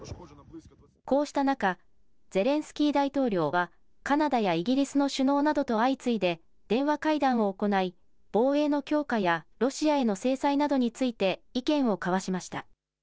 こうした中、ゼレンスキー大統領はカナダやイギリスの首脳などと相次いで電話会談を行い防衛の強化やロシアへの制裁などについて意見を交わしました。